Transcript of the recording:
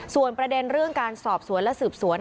ส่วนประเด็นเรื่องการสอบสวนและสืบสวน